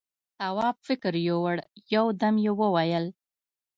تواب فکر يووړ، يو دم يې وويل: